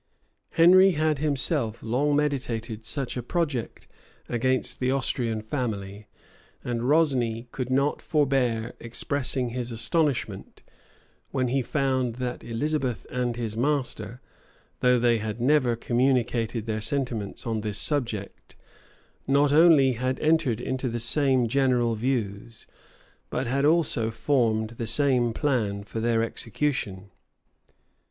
Henry had himself long meditated such a project against the Austrian family; and Rosni could not forbear expressing his astonishment, when he found that Elizabeth and his master, though they had never communicated their sentiments on this subject, not only had entered into the same general views, but had also formed the same plan for their execution.